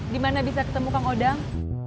gimana bisa ketemu kang odang